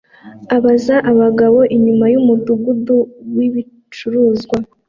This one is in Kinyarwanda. abaza abagabo inyuma yumudugudu wibicuruzwa